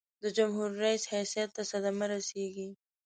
د جمهور رئیس حیثیت ته صدمه رسيږي.